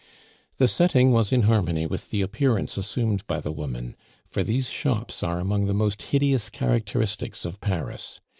The setting was in harmony with the appearance assumed by the woman, for these shops are among the most hideous characteristics of Paris.